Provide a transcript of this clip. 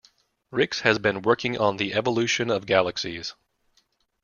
Rix has been working on the evolution of galaxies.